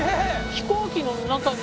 飛行機の中に。